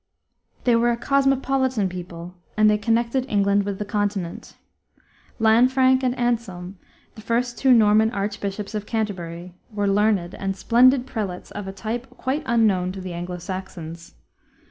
They were a cosmopolitan people, and they connected England with the continent. Lanfranc and Anselm, the first two Norman archbishops of Canterbury, were learned and splendid prelates of a type quite unknown to the Anglo Saxons.